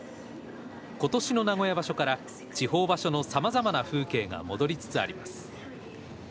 今年の名古屋場所から地方場所のさまざまな風景が戻りつつあります。